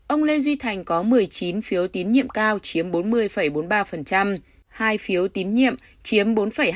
ông lê duy thành có một mươi chín phiếu tín nhiệm cao chiếm bốn mươi bốn mươi ba hai phiếu tín nhiệm chiếm bốn hai